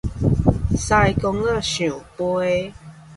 司公仔象桮